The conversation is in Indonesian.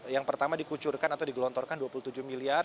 yang pertama dikucurkan atau digelontorkan dua puluh tujuh miliar